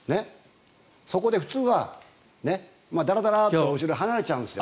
そこで普通はだらだらと後ろに離れちゃうんですよ。